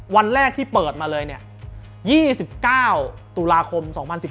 วันแรกที่เปิดมาเลยเนี่ย๒๙ตุลาคม๒๐๑๙